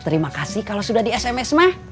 terima kasih kalau sudah di sms mah